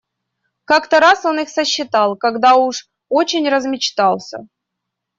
Как-то раз он их сосчитал, когда уж очень размечтался.